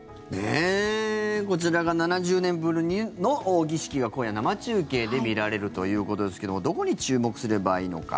こちら、７０年ぶりの儀式が今夜、生中継で見られるということですけどもどこに注目すればいいのか。